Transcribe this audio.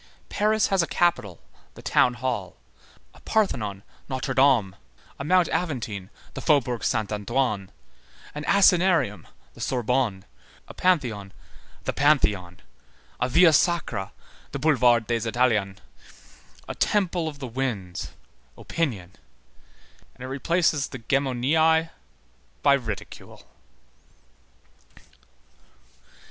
Paris has a capital, the Town Hall, a Parthenon, Notre Dame, a Mount Aventine, the Faubourg Saint Antoine, an Asinarium, the Sorbonne, a Pantheon, the Pantheon, a Via Sacra, the Boulevard des Italiens, a temple of the winds, opinion; and it replaces the Gemoniæ by ridicule.